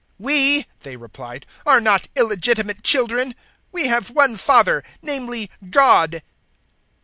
"We," they replied, "are not illegitimate children. We have one Father, namely God."